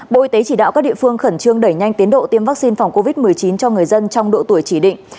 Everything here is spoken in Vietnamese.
bộ y tế chỉ đạo các địa phương khẩn trương đẩy nhanh tiến độ tiêm vaccine phòng covid một mươi chín cho người dân trong độ tuổi chỉ định